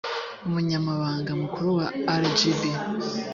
umunyamabanga mukuru wa rgb